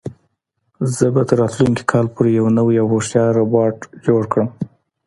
زه به تر راتلونکي کال پورې یو نوی او هوښیار روبوټ جوړ کړم.